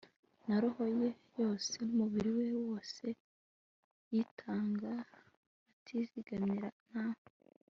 na roho ye yose n'umubiri we wose, yitanga atizigamye nta